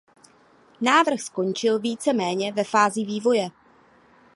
Návrh skončil víceméně ve fázi vývoje.